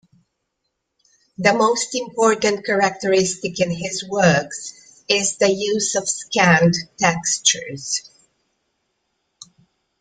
The most important characteristic in his works is the use of scanned textures.